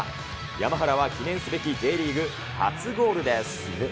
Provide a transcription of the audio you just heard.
山原は記念すべきＪリーグ初ゴールです。